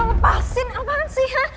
nisha lepasin apaan sih hah